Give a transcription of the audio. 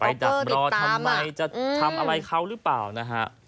ดักรอทำไมจะทำอะไรเขาหรือเปล่านะฮะ